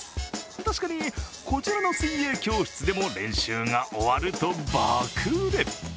確かに、こちらの水泳教室でも練習が終わると爆売れ。